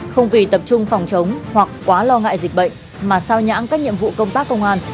không vì tập trung phòng chống hoặc quá lo ngại dịch bệnh mà sao nhãn các nhiệm vụ công tác công an